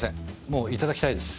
もういただきたいです。